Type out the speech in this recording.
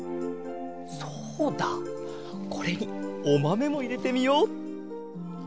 そうだこれにおまめもいれてみよう。